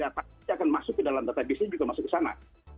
tapi akan masuk ke dalam data bisnis juga masuk ke sana